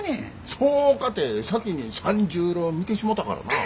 そうかて先に「三十郎」見てしもたからなあ。